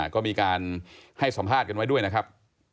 ก็มีการให้สัมภาษณ์กันไว้ด้วยนะครับ